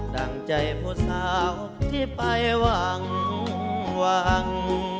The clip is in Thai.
ดั่งใจผู้สาวที่ไปหวัง